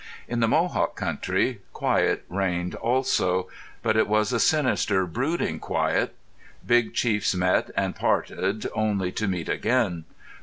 In the Mohawk country quiet reigned also. But it was a sinister, brooding quiet. Big chiefs met and parted, only to meet again.